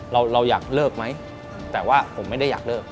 เราอยากเลิกไหมแต่ว่าผมไม่ได้อยากเลิก